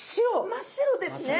真っ白ですね。